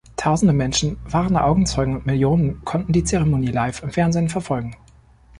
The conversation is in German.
Tausende Menschen waren Augenzeuge und Millionen konnten die Zeremonie live im Fernsehen verfolgen.